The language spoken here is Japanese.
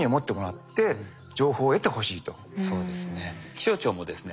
気象庁もですね